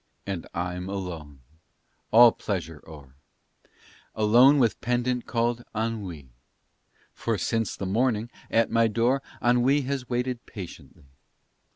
And I'm alone all pleasure o'er Alone with pedant called "Ennui," For since the morning at my door Ennui has waited patiently.